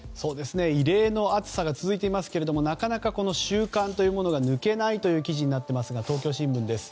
異例の暑さが続いていますがなかなか習慣というのが抜けないという記事になっていますが東京新聞です。